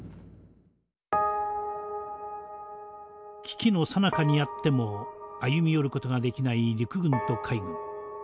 危機のさなかにあっても歩み寄る事ができない陸軍と海軍。